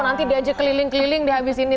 nanti dia ajak keliling keliling di habis ini